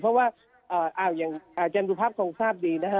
เพราะว่าอย่างอาจารย์สุภาพคงทราบดีนะครับ